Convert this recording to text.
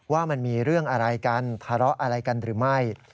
ว่ามันมีเรื่องอะไรกันทะเลาะอะไรกันหรือไม่